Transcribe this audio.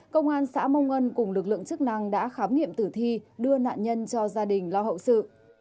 công an xã mong ngân cùng lực lượng chức năng đã khám nghiệm tử thi đưa nạn nhân cho gia đình lo hậu sự